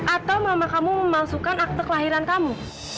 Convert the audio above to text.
atau mama kamu memasukkan akte kelahiran kamu